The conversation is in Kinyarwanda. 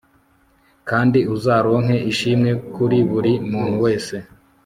kandi uzaronke ishimwe kuri buri muntu wese